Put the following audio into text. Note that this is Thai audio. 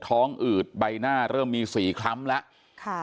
ท้องอืดใบหน้าเริ่มมี๔ครั้งแล้ว